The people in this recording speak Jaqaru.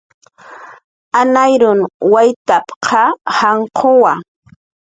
"Anhariyun waytp""qa janq'uwa"